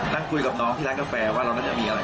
นั่งคุยกับน้องที่ร้านกาแฟว่าเราน่าจะมีอะไร